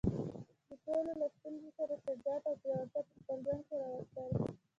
د ټولو له ستونزو سره شجاعت او پیاوړتیا په خپل ژوند کې راوستل.